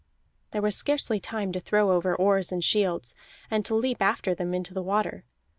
There was scarcely time to throw over oars and shields, and to leap after them into the water.